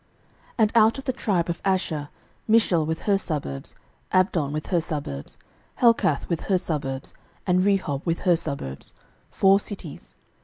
06:021:030 And out of the tribe of Asher, Mishal with her suburbs, Abdon with her suburbs, 06:021:031 Helkath with her suburbs, and Rehob with her suburbs; four cities.